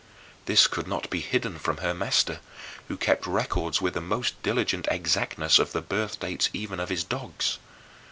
This could not be hidden from her master, who kept records with the most diligent exactness of the birth dates even of his dogs.